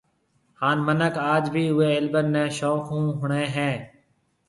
ھان منک آج بِي اوئي البم ني شوق ھونۿڻي ھيَََ